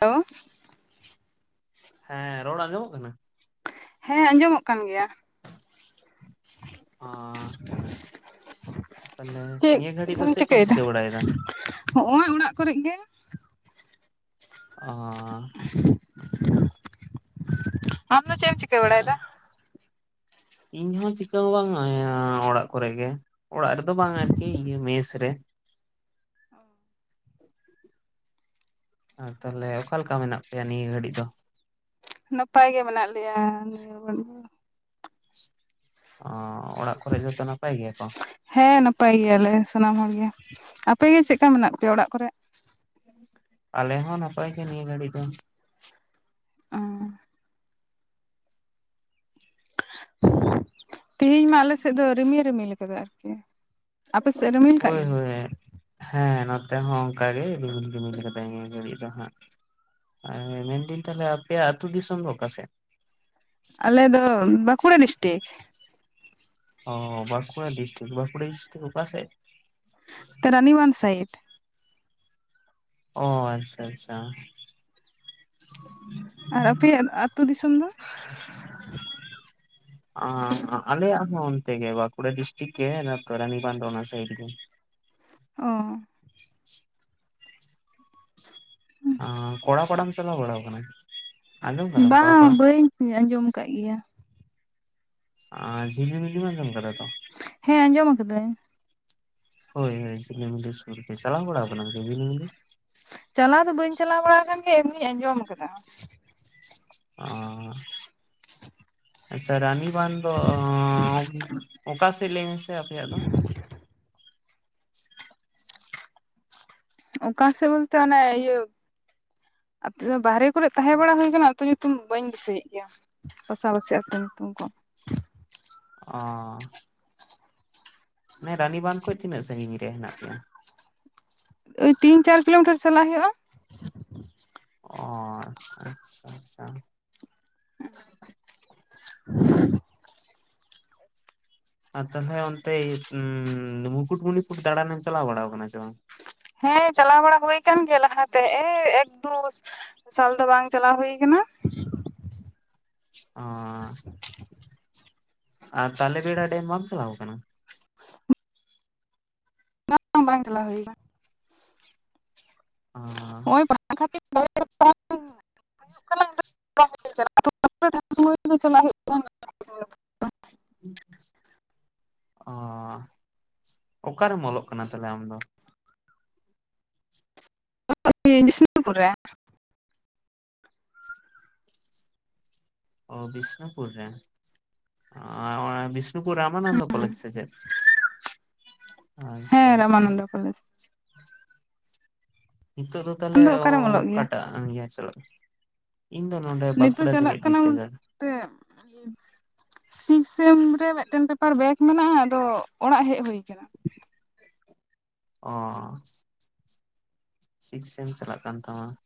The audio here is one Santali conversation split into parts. ᱦᱮᱞᱳ ᱦᱮᱸ ᱨᱚᱲ ᱟᱸᱡᱚᱢᱚᱜ ᱠᱟᱱᱟ? ᱦᱮᱸ ᱟᱸᱡᱚᱢᱚᱜ ᱠᱟᱱ ᱜᱮᱭᱟ ᱾ ᱚᱸᱻ [unintelligible] ᱛᱟᱦᱚᱞᱮ ᱪᱮᱫ ᱱᱤᱭᱟᱹ ᱜᱷᱟᱹᱲᱤᱡ ᱫᱚ ᱪᱮᱫ ᱠᱚᱢ ᱪᱤᱠᱟᱹ ᱵᱟᱲᱟᱭᱮᱫᱟ? ᱦᱚᱜ-ᱚᱭ ᱚᱲᱟᱜ ᱠᱚᱨᱮ ᱜᱮ ᱾ [unintelligible] ᱟᱢ ᱫᱚ ᱪᱮᱫ ᱪᱤᱠᱟᱹᱭ ᱵᱟᱲᱟᱭ ᱫᱟ? ᱤᱧᱦᱚ ᱪᱤᱠᱟᱹ ᱦᱚᱸ ᱵᱟᱝ ᱮᱸᱻ ᱚᱲᱟᱜ ᱠᱚᱨᱮ ᱜᱮ ᱾ ᱚᱲᱟᱜ ᱨᱮᱫᱚ ᱵᱟᱝᱟ ᱪᱮᱜ ᱤᱭᱟᱹ ᱢᱮᱥ ᱨᱮ᱾ ᱚ ᱟᱨ ᱛᱟᱦᱚᱞᱮ ᱚᱠᱟ ᱞᱮᱠᱟ ᱢᱮᱱᱟᱜ ᱯᱮᱭᱟ ᱱᱤᱭᱟᱹ ᱜᱷᱟᱹᱲᱤᱡ ᱫᱚ? ᱱᱟᱯᱟᱭ ᱜᱮ ᱢᱮᱱᱟᱜ ᱞᱮᱭᱟ ᱱᱤᱭᱟᱹ ᱜᱷᱟᱲᱤᱜ ᱫᱚ ᱾ ᱚᱸ ᱚᱲᱟᱜ ᱠᱚᱨᱮ ᱡᱚᱛᱚ ᱱᱟᱯᱟᱭ ᱜᱮᱭᱟ ᱠᱚ? ᱦᱮᱸ ᱱᱟᱯᱟᱭ ᱜᱮᱭᱟᱞᱮ ᱥᱟᱱᱟᱢ ᱦᱚᱲ ᱜᱮ ᱾ ᱟᱯᱮ ᱜᱮ ᱪᱮᱫ ᱞᱮᱠᱟ ᱢᱮᱱᱟᱜ ᱯᱮᱭᱟ ᱚᱲᱟᱜ ᱠᱚᱨᱮ? ᱟᱞᱮ ᱦᱚᱸ ᱱᱟᱯᱟᱭ ᱜᱮ ᱱᱤᱭᱟᱹ ᱜᱷᱟᱹᱲᱤ ᱫᱚ ᱾ ᱚᱸᱻ, [unintelligible] ᱛᱮᱦᱤᱧ ᱢᱟ ᱟᱞᱮ ᱥᱮᱫ ᱫᱚ ᱨᱤᱢᱤᱞ ᱨᱤᱢᱤᱞ ᱟᱠᱟᱫᱟ, ᱟᱨ ᱜᱮ [unintelligible] ᱦᱳᱭ, ᱦᱳᱭ ᱦᱮᱸ, ᱱᱚᱛᱮ ᱦᱚᱸ ᱚᱱᱠᱟ ᱜᱮ ᱨᱤᱢᱤᱞ ᱨᱤᱢᱤᱞ ᱠᱟᱫᱟᱭ, ᱱᱤᱭᱟᱹ ᱜᱷᱟᱹᱲᱤᱡ ᱫᱚ ᱦᱟᱸᱜ ᱾ ᱟᱸᱼ ᱢᱮᱱᱫᱟᱹᱧ ᱛᱟᱦᱚᱞᱮ ᱟᱯᱮᱭᱟᱜ, ᱟᱹᱛᱩ ᱫᱤᱥᱚᱢ ᱫᱚ ᱚᱠᱟᱥᱮᱫ? ᱟᱞᱮ ᱫᱚ ᱵᱟᱸᱠᱩᱲᱟ ᱰᱤᱥᱴᱤᱠ ᱾ ᱚᱼ ᱵᱟᱸᱠᱩᱲᱟ ᱰᱤᱥᱴᱤᱠ, ᱵᱟᱸᱠᱩᱲᱟ ᱰᱤᱥᱴᱤᱠ ᱚᱠᱟᱥᱮᱫ? ᱛᱨᱟᱱᱤᱵᱟᱱᱫᱷ ᱥᱟᱭᱤᱰ ᱚ, ᱟᱪᱪᱷᱟ ᱟᱪᱪᱷᱟ, ᱟᱨ ᱟᱯᱮᱭᱟᱜ, ᱟᱹᱛᱩ ᱫᱤᱥᱚᱢ ᱫᱚ? ᱟᱸ ᱟᱼ ᱟᱞᱮᱦᱟᱜ ᱚᱱᱛᱮ ᱜᱮ ᱵᱟᱸᱠᱩᱲᱟ ᱰᱤᱥᱴᱤᱠ ᱜᱮ, ᱛᱚ ᱨᱟᱱᱤᱵᱟᱸᱱᱫᱷ ᱚᱱᱟ ᱥᱟᱭᱤᱰ ᱜᱮ ᱾ ᱚᱻ, ᱟᱜᱼᱪᱷᱤ, ᱟ ᱠᱚᱲᱟ ᱯᱟᱴᱟᱢ ᱪᱟᱞᱟᱣ ᱵᱟᱲᱟ ᱟᱠᱟᱱᱟ? ᱵᱟᱝ? ᱵᱟᱹᱧ ᱟᱸᱡᱚᱢ ᱟᱠᱟᱫ ᱜᱮᱭᱟ ᱾ ᱟᱻ, ᱡᱷᱤᱞᱤᱢᱤᱞᱤᱢ ᱟᱡᱚᱢ ᱟᱠᱟᱫᱟ ᱛᱚ, ᱦᱮᱸ ᱟᱸᱡᱚᱢ ᱟᱠᱟᱫᱟᱹᱧ ᱾ ᱦᱳᱭ, ᱦᱳᱭ, ᱡᱷᱤᱞᱤᱢᱤᱞᱤ ᱥᱩᱨ ᱜᱮ, ᱪᱟᱞᱟᱣ ᱵᱟᱲᱟ ᱟᱠᱟᱱᱟᱢ ᱥᱮ ᱡᱷᱤᱞᱤᱢᱤᱞᱤ ᱾ ᱪᱟᱞᱟᱣ ᱫᱚ ᱵᱟᱹᱧ ᱪᱟᱞᱟᱣ ᱵᱟᱲᱟ ᱟᱠᱟᱱ ᱜᱮ, ᱮᱢᱱᱤᱧ ᱟᱸᱡᱚᱢ ᱟᱠᱟᱫᱟ ᱾ ᱟᱸᱻᱦ, ᱟᱪᱪᱷᱟ ᱨᱟᱱᱤᱵᱟᱸᱫᱷ ᱫᱚ, ᱚᱠᱟ ᱥᱮᱫ? ᱞᱟᱹᱭ ᱢᱮᱥᱮ ᱟᱯᱮᱭᱟᱜ ᱫᱚ᱾ ᱚᱠᱟ ᱥᱮᱫ? ᱵᱚᱞᱛᱮ, ᱚᱱᱮ ᱤᱭᱟᱹ, ᱟᱯᱮ ᱫᱚ ᱵᱟᱨᱦᱮ ᱠᱚᱨᱮ ᱛᱟᱦᱮᱸ ᱵᱟᱲᱟ ᱦᱩᱭ ᱟᱠᱟᱱᱟ ᱾ ᱟᱹᱛᱩ ᱧᱩᱛᱩᱢ ᱵᱟᱹᱧ ᱫᱤᱥᱟᱹᱭᱮᱫ ᱜᱮᱭᱟ, ᱯᱟᱥᱟᱯᱟᱹᱥᱤ ᱟᱹᱛᱩ ᱧᱩᱛᱩᱢ ᱠᱚ᱾ ᱚᱸᱻᱻ, ᱢᱟ. ᱭ, ᱨᱟᱱᱤᱵᱟᱸᱫᱽ ᱠᱷᱚᱡ ᱛᱤᱱᱟᱹᱜ? ᱥᱟᱺᱜᱤᱧ ᱨᱮ ᱦᱮᱱᱟᱜ ᱢᱮᱭᱟ ᱾ ᱳᱭ, ᱛᱤᱱ ᱪᱟᱨ ᱠᱤᱞᱳᱢᱤᱴᱟᱨ ᱪᱟᱞᱟᱜ ᱦᱩᱭᱩᱜ-ᱟ᱾ ᱚᱻ ᱟᱪᱪᱷᱟ ᱟᱪᱪᱷᱟ, ᱾ [unintelligible] ᱟᱨ ᱛᱟᱦᱚᱞᱮ, ᱚᱱᱛᱮ ᱚᱸ-ᱮᱸᱻᱻ ᱢᱩᱠᱩᱴᱢᱩᱱᱤᱯᱩᱨ ᱫᱟᱬᱟᱱ ᱮᱢ ᱪᱟᱞᱟᱣ ᱵᱟᱲᱟ ᱟᱠᱟᱱᱟ ᱥᱮ ᱵᱟᱝ? ᱦᱮᱸᱻ ᱪᱟᱞᱟᱣ ᱵᱟᱲᱟ ᱦᱩᱭ ᱠᱟᱱ ᱜᱮᱭᱟ ᱞᱟᱦᱟᱛᱮ, ᱮ ᱮᱠ ᱫᱩᱥ ᱥᱟᱞ ᱫᱚ ᱵᱟᱝ? ᱪᱟᱞᱟᱣ ᱦᱩᱭ ᱟᱠᱟᱱᱟ ᱾ ᱚᱸᱻ ᱟᱨ, ᱛᱟᱦᱚᱞᱮ ᱵᱮᱲᱟ ᱰᱮᱢ ᱵᱟᱢ? ᱪᱟᱞᱟᱣ ᱟᱠᱟᱱᱟ ᱾ ᱵᱟᱝ, ᱵᱟᱝ ᱪᱟᱞᱟᱣ ᱦᱩᱭ ᱟᱠᱟᱱᱟ ᱾ ᱚᱸᱻᱻ, ᱱᱚᱜ-ᱚᱭ [unintelligible] ᱯᱟᱲᱦᱟᱣ ᱠᱷᱟᱹᱛᱤᱨ [unintelligible] [unintelligible] ᱪᱟᱞᱟᱣ ᱦᱩᱭᱩᱜ, [inaudible] ᱚᱻ ᱚᱠᱟᱨᱮᱢ ᱚᱞᱚᱜ ᱠᱟᱱᱟ ᱛᱟᱞᱦᱮ ᱟᱢ ᱫᱚ? [unintelligible] ᱵᱤᱥᱱᱩᱯᱩᱨ ᱨᱮ᱾ ᱚᱼ ᱵᱤᱥᱱᱩᱯᱩᱨ ᱨᱮ, ᱟᱼᱟᱱᱮ ᱵᱤᱥ ᱱᱩᱯᱩᱨᱮ ᱨᱟᱢᱟᱱᱚᱱᱫᱚ ᱠᱚᱞᱡᱽ ᱥᱮ ᱪᱮᱫ? ᱟᱪᱪᱷᱟ ᱦᱮᱸ ᱟᱪᱪᱷᱟ ᱾ ᱨᱟᱢᱟᱱᱚᱱᱫᱚ ᱠᱚᱞᱮᱡᱽ, ᱱᱤᱛᱚᱜ ᱫᱚ ᱛᱟᱞᱮ ᱟᱢᱫᱚ ᱚᱠᱟᱨᱮᱢ ᱚᱞᱚᱜ ᱜᱮᱭᱟ ᱠᱟᱴᱟᱜ ᱚᱦᱼᱦᱚ ᱤᱭᱟᱸᱨ ᱪᱟᱞᱟᱜ ᱠᱟᱱᱟ ᱾ ᱤᱧ ᱫᱚ ᱱᱚᱰᱮ ᱵᱟᱸᱠᱩᱲᱟ ᱡᱮᱱᱮᱛ ᱵᱤᱨᱫᱚᱜᱟᱲ ᱯᱮᱜ [inaudible] ᱥᱤᱠᱥᱮᱢ ᱨᱮ ᱢᱤᱫᱴᱮᱱ ᱯᱮᱯᱟᱨ ᱵᱮᱠ ᱢᱮᱱᱟᱜᱼᱟ, ᱟᱫᱚ ᱚᱲᱟᱜ ᱦᱮᱡ ᱦᱩᱭ ᱠᱟᱱᱟ ᱾ ᱚᱻ, [inaudible] [unintelligible] ᱥᱤᱠᱥᱢ ᱪᱟᱞᱟᱜ ᱠᱟᱱ ᱛᱟᱢᱟ ᱾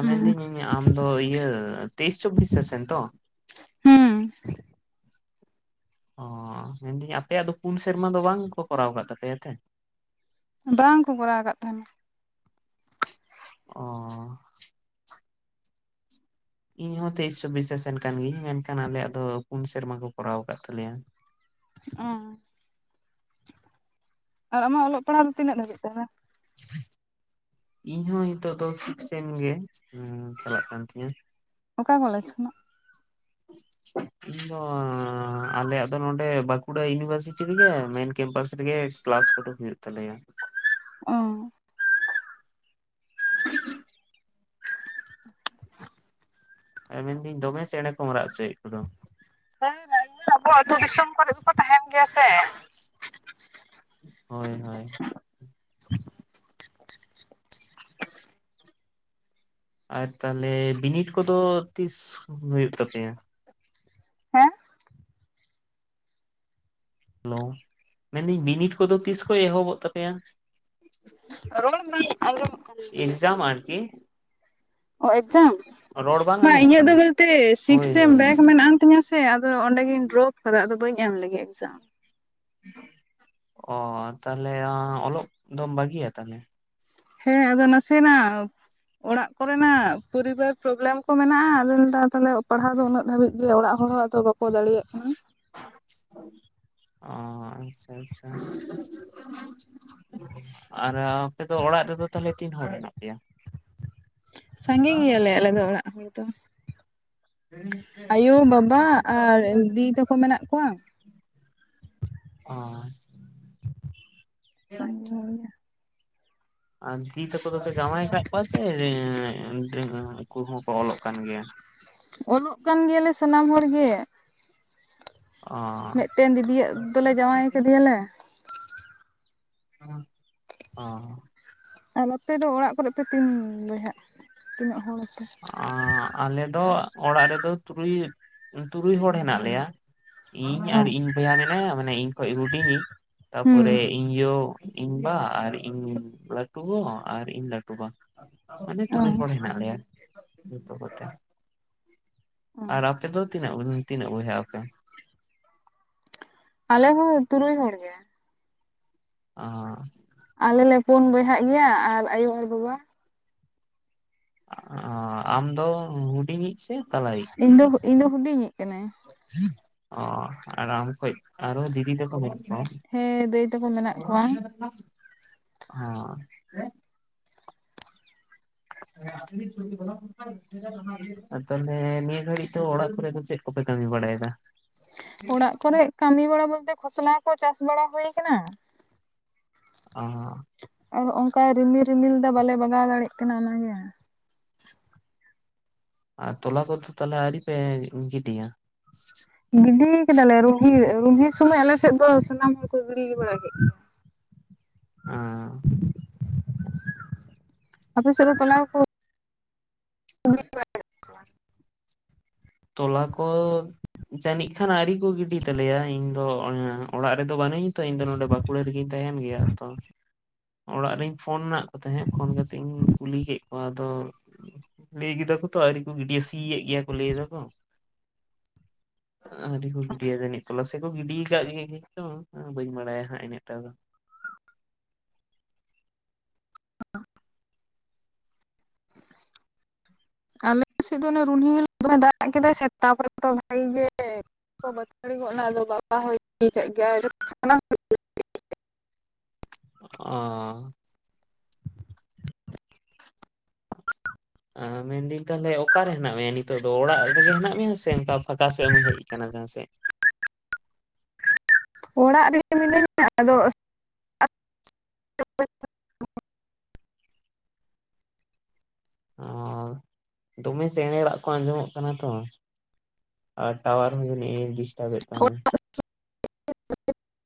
ᱦᱩᱸ ᱤᱧ ᱟᱢᱫᱚ ᱤᱭᱟᱹ ᱛᱮᱭᱤᱥ ᱪᱚᱵᱵᱤᱥ ᱥᱮᱥᱮᱱ ᱛᱚ? ᱦᱩᱸᱻ, ᱚᱸᱻ ᱢᱮᱱᱫᱟᱹᱧ ᱟᱯᱮᱭᱟᱜ ᱫᱚ ᱯᱩᱱ ᱥᱮᱨᱢᱟ ᱫᱚ ᱵᱟᱝ ᱠᱚ ᱠᱚᱨᱟᱣ ᱠᱟᱫ ᱛᱟᱯᱮᱭᱟ ᱛᱮ ᱵᱟᱝ ᱠᱚ ᱠᱚᱨᱟᱣ ᱟᱠᱟᱫ ᱛᱟᱷᱟᱞᱮ᱾ ᱚ ᱤᱧ ᱦᱚᱸ ᱛᱮᱭᱤᱥ ᱪᱚᱵᱵᱤᱥ ᱥᱮᱥᱮᱱ ᱠᱟᱱ ᱜᱤᱭᱟᱹᱧ ᱢᱮᱱᱠᱷᱟᱱ ᱟᱞᱮᱭᱟᱜ ᱫᱚ ᱯᱩᱱ ᱥᱮᱨᱢᱟ ᱠᱚ ᱠᱚᱨᱟᱣ ᱟᱠᱟᱫ ᱛᱟᱞᱮᱭᱟ᱾ [inaudible] ᱟᱨ ᱟᱢᱟᱜ ᱚᱞᱚᱜ ᱯᱟᱲᱦᱟᱜ ᱫᱚ ᱛᱤᱱᱟᱹᱜ ᱫᱷᱟᱹᱵᱤᱡ ᱤᱧ ᱦᱚᱸ ᱦᱤᱛᱚᱜ ᱫᱚ ᱥᱮᱠ ᱥᱮᱢ ᱜᱮ ᱪᱟᱞᱟᱜ ᱠᱟᱱ ᱛᱤᱧᱟᱹ᱾ ᱚᱠᱟ ᱠᱚᱞᱮᱡᱽ ᱠᱷᱚᱱᱟᱜ? ᱤᱧ ᱫᱚ ᱟᱞᱮᱭᱟᱜ ᱫᱚ ᱱᱚᱰᱮ ᱵᱟᱸᱠᱩᱲᱟ ᱤᱭᱩᱱᱤᱵᱷᱟᱨᱥᱤᱴᱤ ᱨᱮᱜᱮ ᱢᱮᱱ ᱠᱮᱢᱯᱟᱥ ᱨᱮᱜᱮ ᱠᱮᱞᱟᱥ ᱠᱚᱫᱚ ᱦᱩᱭᱩᱜ ᱛᱟᱞᱮᱭᱟ᱾ ᱚ [inaudible] ᱮ ᱢᱮᱱᱫᱤᱧ ᱫᱚᱢᱮ ᱪᱮᱬᱮ ᱠᱚᱢ ᱨᱟᱜ ᱦᱚᱪᱚᱭᱮᱫ ᱠᱚ ᱫᱚ᱾ ᱦᱮᱸ [unintelligible] ᱟᱵᱚ ᱟᱛᱩ ᱫᱤᱥᱚᱢ ᱠᱚᱨᱮᱜ ᱫᱚᱠᱚ ᱛᱟᱦᱮᱱ ᱜᱮᱭᱟ ᱥᱮ ᱦᱳᱭ-ᱦᱳᱭ [inaudible] ᱟᱨ ᱛᱟᱞᱦᱮ ᱵᱤᱱᱤᱰ ᱠᱚᱫᱚ ᱛᱤᱥ ᱦᱩᱭᱩᱜ ᱛᱟᱯᱮᱭᱟ? ᱦᱮᱸ ᱦᱮᱞᱳ ᱢᱮᱱᱫᱤᱧ ᱵᱤᱱᱤᱰ ᱠᱚᱫᱚ ᱛᱤᱥ ᱠᱷᱚᱡ ᱮᱦᱚᱵᱚᱜ ᱛᱟᱯᱮᱭᱟ? ᱨᱚᱲ ᱵᱟᱝ ᱟᱸᱡᱚᱢᱚᱜ ᱠᱟᱱᱟ ᱯᱩ ᱮᱠᱡᱟᱢ ᱟᱨᱠᱤ ᱚ ᱮᱠᱡᱟᱢ ᱨᱚᱲ ᱵᱟᱝ ᱢᱟ ᱟᱸᱡᱚᱢᱚᱜ ᱤᱧᱟᱹᱜ ᱠᱟᱱᱟ ᱫᱚ ᱵᱚᱞᱛᱮ ᱦᱳᱭ ᱥᱤᱠᱥᱮᱢ ᱦᱳᱭ ᱵᱮᱠ ᱢᱮᱱᱟᱜᱼᱟ ᱛᱤᱧᱟᱹ ᱥᱮ ᱟᱫᱚ ᱚᱸᱰᱮᱜᱤᱧ ᱰᱨᱚᱯ ᱠᱟᱫᱟ ᱟᱫᱚ ᱵᱟᱹᱧ ᱮᱢ ᱞᱮᱜᱮ ᱮᱠᱡᱟᱢ᱾ ᱚ ᱛᱟᱦᱞᱮ ᱟᱸᱻ ᱚᱞᱚᱜ ᱫᱚᱢ ᱵᱟᱜᱤᱭᱟ ᱛᱟᱦᱞᱮ᱾ ᱦᱮᱸ ᱟᱫᱚ ᱱᱟᱥᱮᱱᱟᱜ ᱚᱲᱟᱜ ᱠᱚᱨᱮᱱᱟᱜ ᱯᱚᱨᱤᱵᱟᱨ ᱯᱳᱨᱚᱵᱮᱞᱮᱢ ᱠᱚ ᱢᱮᱱᱟᱜᱼᱟ, ᱟᱫᱚ ᱞᱟᱹᱭ ᱫᱟ ᱛᱟᱞᱦᱮ ᱯᱟᱲᱦᱟᱣ ᱫᱚ ᱩᱱᱟᱹᱜ ᱫᱷᱟᱹᱵᱤᱡ ᱜᱮ ᱚᱲᱟᱜ ᱦᱚᱲ ᱦᱚᱸ ᱟᱫᱚ ᱵᱟᱠᱚ ᱫᱟᱲᱮᱭᱟᱼᱜ ᱠᱟᱱᱟ᱾ ᱚ ᱟᱪᱪᱷᱟ - ᱟᱪᱪᱷᱟ ᱟᱨ ᱟᱯᱮ ᱫᱚ ᱚᱲᱟᱜ ᱨᱮᱫᱚ ᱛᱟᱦᱞᱮ ᱛᱤᱱ ᱦᱚᱲ ᱢᱮᱱᱟᱜ ᱯᱮᱭᱟ? ᱥᱟᱜᱮ ᱜᱮᱭᱟᱞᱮ ᱟᱞᱮ ᱫᱚ ᱚᱲᱟᱜ ᱦᱚᱲ ᱫᱚ ᱟᱭᱳ ᱵᱟᱵᱟ ᱟᱨ ᱫᱤᱫᱤ ᱛᱟᱠᱚ ᱢᱮᱱᱟᱜ ᱠᱚᱣᱟ᱾ ᱚ ᱥᱟᱜᱮ ᱜᱮᱭᱟᱞᱮ᱾ ᱟᱨ ᱫᱤ ᱛᱟᱠᱚ ᱫᱚᱯᱮ ᱡᱟᱶᱟᱭ ᱠᱟᱜ ᱠᱚᱣᱟ ᱥᱮ ᱮᱸᱻ ᱩᱱᱠᱩ ᱦᱚᱸᱠᱚ ᱚᱞᱚᱜ ᱠᱟᱱ ᱜᱮᱭᱟ? ᱚᱞᱚᱜ ᱠᱟᱱ ᱜᱮᱭᱟᱞᱮ ᱥᱟᱱᱟᱢ ᱦᱚᱲᱜᱮ ᱚ ᱢᱤᱫᱴᱮᱱ ᱫᱤᱫᱤᱭᱟᱜ ᱫᱚᱞᱮ ᱡᱟᱶᱟᱭ ᱠᱮᱫᱮᱭᱟᱞᱮ᱾ ᱚ ᱟᱨ ᱟᱯᱮ ᱫᱚ ᱚᱲᱟᱜ ᱠᱚᱨᱮ ᱯᱮ ᱛᱤᱱ ᱵᱚᱭᱦᱟᱜ ᱛᱤᱱᱟᱹᱜ ᱦᱚᱲᱟᱯᱮ? ᱟᱸᱻ ᱟᱞᱮ ᱫᱚ ᱚᱲᱟᱜ ᱨᱮᱫᱚ ᱛᱩᱨᱩᱭ ᱛᱩᱨᱩᱭ ᱦᱚᱲ ᱦᱮᱱᱟᱜ ᱞᱮᱭᱟ ᱤᱧ ᱚ ᱟᱨ ᱤᱧ ᱵᱚᱭᱦᱟ ᱢᱮᱱᱟᱭᱟ ᱢᱟᱱᱮ ᱤᱧ ᱠᱷᱚᱱ ᱦᱩᱰᱤᱧ ᱤᱡ ᱛᱟᱨ ᱯᱚᱨᱮ ᱦᱩᱸ ᱤᱧ ᱭᱩ ᱤᱧ ᱵᱟ ᱟᱨ ᱤᱧ ᱭᱩ ᱞᱟᱹᱴᱩ ᱜᱚ ᱟᱨ ᱤᱧ ᱞᱟᱹᱴᱩ ᱵᱟ ᱢᱟᱱᱮ ᱚ ᱛᱩᱨᱩᱭ ᱦᱚᱲ ᱦᱮᱱᱟᱜ ᱞᱮᱭᱟ ᱱᱤᱛᱚᱜ ᱠᱚᱛᱮ ᱚ ᱟᱨ ᱟᱯᱮ ᱫᱚ? ᱛᱤᱱᱟᱹᱜ ᱵᱩᱱ ᱛᱤᱱᱟᱹᱜ ᱵᱚᱭᱦᱟᱜ ᱟᱯᱮ? ᱟᱞᱮ ᱦᱚᱸ ᱛᱩᱨᱩᱭ ᱦᱚᱲ ᱜᱮ᱾ [unintelligible] ᱟ᱾ ᱟᱞᱮ ᱞᱮ ᱯᱩᱱ ᱵᱚᱭᱦᱟᱼᱜ ᱜᱮᱭᱟ ᱟᱨ ᱟᱭᱳ ᱟᱨ ᱵᱟᱵᱟ᱾ ᱟ ᱟᱢ ᱫᱚ ᱦᱩᱰᱤᱧ ᱤᱡ ᱥᱮ ᱛᱟᱞᱟᱭᱤᱜ᱾ ᱤᱧ ᱫᱚ ᱤᱧ ᱫᱚ ᱦᱩᱰᱤᱧᱤᱡ ᱠᱟᱹᱱᱟᱹᱧ ᱚ ᱟᱨ ᱟᱢ ᱠᱷᱚᱡ ᱟᱨᱚ ᱫᱤᱫᱤ ᱛᱮᱠᱚ [unintelligible] ᱵᱚᱜ ᱠᱚᱣᱚ᱾ ᱦᱮᱸ ᱫᱟᱹᱭ ᱛᱟᱠᱚ ᱢᱮᱱᱟᱜ ᱠᱚᱣᱟ [unintelligible] ᱦᱚᱸ ᱛᱟᱦᱞᱮ ᱱᱤᱭᱟᱹ ᱜᱷᱟᱹᱲᱤᱡ ᱫᱚ ᱚᱲᱟᱜ ᱠᱚᱨᱮ ᱫᱚ ᱪᱮᱫ- ᱠᱚᱯᱮ ᱠᱟᱹᱢᱤ ᱵᱟᱲᱟ ᱭᱮᱫᱟ᱾ ᱚᱲᱟᱜ ᱠᱚᱨᱮ ᱠᱟᱹᱢᱤ ᱵᱟᱲᱟ ᱵᱚᱞ ᱛᱮ ᱠᱷᱚᱥᱞᱟ ᱠᱚ ᱪᱟᱥ ᱵᱟᱲᱟ ᱦᱩᱭ ᱠᱟᱱᱟ᱾ [unintelligible] ᱟ ᱦᱟᱜ᱾ ᱚ ᱦᱚᱜ ᱚᱝᱠᱟ ᱨᱤᱢᱤᱞ ᱨᱤᱢᱤᱞ ᱫᱟ ᱵᱟᱞᱮ ᱵᱟᱜᱟᱣ ᱫᱟᱲᱮᱜ ᱠᱟᱱᱟ ᱚᱱᱟ ᱜᱮ᱾ ᱟᱨ ᱛᱚᱞᱟ ᱠᱚᱛᱚ ᱛᱟᱦᱞᱮ ᱟᱹᱣᱨᱤ ᱯᱮ ᱜᱤᱰᱤᱭᱟ᱾ ᱜᱤᱰᱤ ᱠᱮᱫᱟᱞᱮ ᱨᱩᱦᱤ ᱨᱩᱦᱤ ᱥᱚᱢᱚᱭ ᱟᱞᱮ ᱥᱮᱫ ᱫᱚ ᱥᱟᱱᱟᱢ ᱦᱚᱲ ᱠᱚ ᱜᱤᱰᱤ ᱵᱟᱲᱟ [inaudible] ᱠᱮᱜ ᱜᱮᱭᱟ᱾ [unintelligible] ᱟ. ᱾ ᱟᱯᱮ ᱥᱮᱜ ᱫᱚ ᱛᱚᱞᱟᱣ ᱠᱚ- ᱛᱚᱞᱟ ᱠᱚ- ᱡᱟᱹᱱᱤᱡ ᱠᱷᱟᱱ ᱟᱹᱣᱨᱤ ᱠᱚ ᱜᱤᱰᱤᱭ ᱛᱟᱞᱮᱭᱟ ᱤᱧ ᱫᱚ ᱚᱲᱟᱜ ᱨᱮᱫᱚ ᱵᱟᱹᱱᱩᱧᱟ ᱛᱚ ᱤᱧ ᱱᱚ ᱵᱟᱠᱩ- ᱠᱩᱲᱟᱹ ᱨᱮᱜᱤᱧ ᱛᱟᱦᱮᱱ ᱜᱮᱭᱟ ᱛᱷᱚ᱾ ᱚᱲᱟᱜ ᱨᱤᱧ ᱯᱷᱳᱱ ᱟᱜ ᱠᱚ ᱛᱟᱦᱮᱸᱫ ᱯᱷᱳᱱ ᱠᱟᱛᱮᱜ ᱤᱧ ᱠᱩᱞᱤ ᱠᱮᱫ ᱠᱚᱣᱟ ᱟᱫᱚ- ᱞᱟᱹᱭ ᱠᱮᱫᱟ ᱠᱚ ᱛᱚ ᱟᱹᱣᱨᱤ ᱠᱚ ᱜᱤᱰᱟᱹ ᱥᱤᱭᱮᱜ ᱜᱮᱭᱟ ᱠᱚ ᱞᱟᱹᱭ ᱫᱟᱠᱚ᱾ ᱟᱹᱣᱲᱤ ᱠᱚ ᱜᱤᱰᱤᱭᱟ ᱡᱟᱹᱱᱤᱡ ᱠᱚᱞᱟᱥᱮ ᱠᱚ ᱜᱤᱰᱤ ᱠᱟᱜ ᱜᱮᱭᱟ ᱠᱤ ᱛᱚ ᱵᱟᱹᱧ ᱵᱟᱲᱟᱭᱟ ᱦᱟᱸᱜ ᱤᱱᱟᱹᱜ ᱴᱟᱜ ᱫᱚ᱾ ᱟᱞᱮ ᱥᱮᱫ ᱫᱚ ᱚᱱᱟᱹ ᱨᱩᱱᱦᱤ ᱦᱤᱞᱳ ᱫᱚᱞᱮ ᱫᱟᱜ ᱠᱮᱫᱟ ᱥᱮ ᱛᱟ ᱯᱚᱨᱮ ᱛᱚ ᱵᱷᱟᱜᱤ ᱜᱮ- ᱠᱚ ᱵᱟᱹᱛᱟᱹᱲᱤ ᱜᱚᱜ ᱱᱟ ᱟᱫᱚ ᱵᱟᱵᱟ ᱦᱚᱸᱭ ᱜᱤᱰᱤᱭ ᱠᱟᱜ ᱜᱮᱭᱟ᱾ ᱚ᱾ [inaudible] ᱢᱮᱱ ᱫᱟᱹᱧ ᱛᱟᱦᱚᱞᱮ ᱚᱠᱟ ᱨᱮ ᱦᱮᱱᱟᱜ ᱢᱮᱭᱟ ᱱᱤᱛᱚᱜ ᱫᱚ ᱚᱲᱟᱜ ᱨᱮᱜᱮ ᱦᱮᱱᱟᱜ ᱢᱮᱭᱟ ᱥᱮ ᱚᱱᱠᱟ ᱯᱷᱟᱸᱠᱟ ᱥᱮᱫ ᱮᱢ ᱦᱮᱡ ᱠᱟᱱᱟ ᱡᱟᱦᱟᱸ ᱥᱮᱜ᱾ ᱚᱲᱟᱜ ᱨᱮᱜᱮ ᱢᱤᱱᱟᱹᱧ-ᱟ ᱟᱫᱚ ᱟᱥᱩ- ᱚ ᱫᱚᱢᱮ ᱪᱮᱬᱮ ᱨᱟᱜ ᱠᱚ ᱟᱸᱡᱚᱢᱚᱜ ᱠᱟᱱᱟ ᱛᱚ᱾ ᱟᱨ ᱴᱟᱣᱟᱨ ᱦᱚᱸ ᱡᱟᱹᱱᱤᱡ ᱰᱤᱥᱴᱟᱵ ᱮᱜ ᱛᱟᱢᱟ᱾ [inaudible]